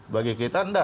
bagi kita enggak